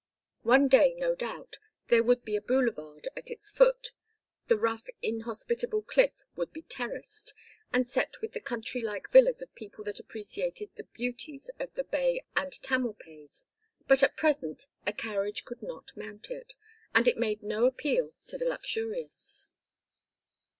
One day, no doubt, there would be a boulevard at its foot, the rough inhospitable cliff would be terraced, and set with the country like villas of people that appreciated the beauties of the bay and Tamalpais, but at present a carriage could not mount it, and it made no appeal to the luxurious.